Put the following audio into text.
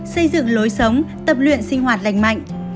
xây dựng lối sống tập luyện sinh hoạt lành mạnh